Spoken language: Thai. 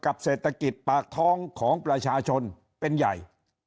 เศรษฐกิจปากท้องของประชาชนเป็นใหญ่